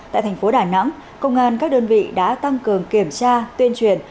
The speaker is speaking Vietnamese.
tại thành phố đà nẵng công an các đơn vị đã tăng cường kiểm tra tuyên truyền